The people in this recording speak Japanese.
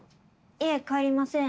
いえ帰りません。